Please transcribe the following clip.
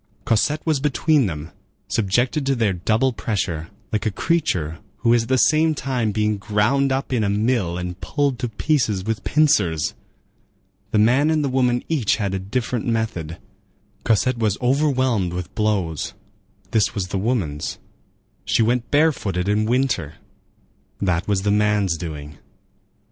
Cosette was between them, subjected to their double pressure, like a creature who is at the same time being ground up in a mill and pulled to pieces with pincers. The man and the woman each had a different method: Cosette was overwhelmed with blows—this was the woman's; she went barefooted in winter—that was the man's doing.